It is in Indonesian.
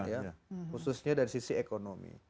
khususnya dari sisi ekonomi